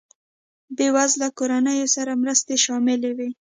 بېوزله کورنیو سره مرستې شاملې وې.